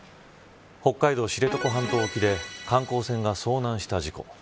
北海道知床半島沖で観光船が遭難した事故